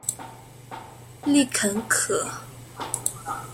丽肯可